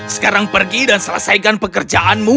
sekarang pergi dan selesaikan pekerjaanmu